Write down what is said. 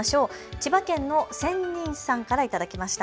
千葉県のセンニンさんから頂きました。